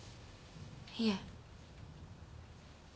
いえ。